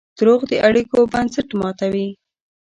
دروغ د اړیکو بنسټ ماتوي.